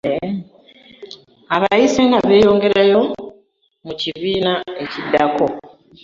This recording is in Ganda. Abayise nga beeyongerayo mu kibiina ekiddako.